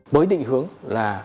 bới định hướng là